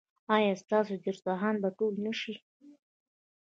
ایا ستاسو دسترخوان به ټول نه شي؟